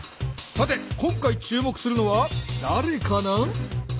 さて今回注目するのはだれかな？